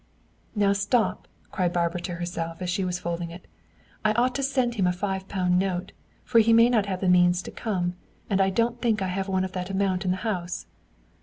"Now stop," cried Barbara to herself, as she was folding it. "I ought to send him a five pound note, for he may not have the means to come; and I don't think I have one of that amount in the house."